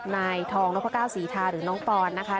นายทองนพก้าวศรีทาหรือน้องปอนนะคะ